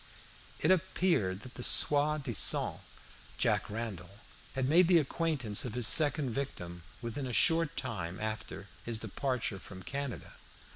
It appeared that the soi disant Jack Randall had made the acquaintance of his second victim within a short time after his departure from Canada.